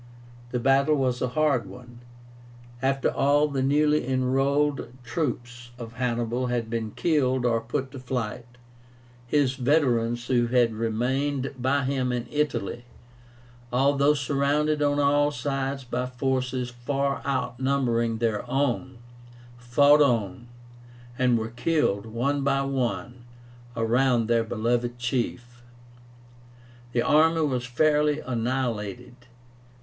The battle was a hard one. After all the newly enrolled troops of Hannibal had been killed or put to flight, his veterans, who had remained by him in Italy, although surrounded on all sides by forces far outnumbering their own, fought on, and were killed one by one around their beloved chief. The army was fairly annihilated.